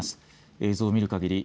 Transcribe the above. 映像を見るかぎり